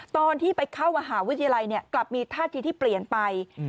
ตอนที่ไปเข้ามหาวิทยาลัยกลับมีท่าทีที่เปลี่ยนไป